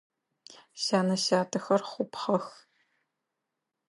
Сянэ-сятэхэр хъупхъэх.